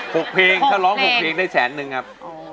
เพลงถ้าร้องหกเพลงได้แสนนึงครับ